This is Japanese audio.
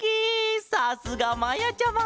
さすがまやちゃま！